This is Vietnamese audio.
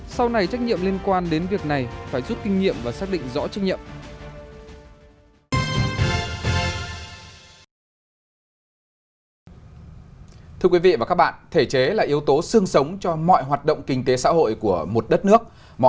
sau này trách nhiệm liên quan đến việc này phải rút kinh nghiệm và xác định rõ trách nhiệm